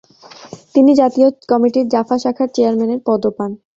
তিনি জাতীয় কমিটির জাফা শাখার চেয়ারম্যানের পদও পান।